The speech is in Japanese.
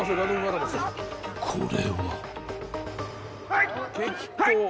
［これは？］